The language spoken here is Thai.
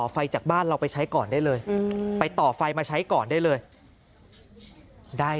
ไฟจากบ้านเราไปใช้ก่อนได้เลยไปต่อไฟมาใช้ก่อนได้เลยได้